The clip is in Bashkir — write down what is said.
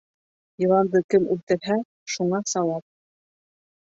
Йыланды кем үлтерһә, шуңа сауап.